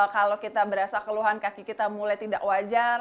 kalau kita berasa keluhan kaki kita mulai tidak wajar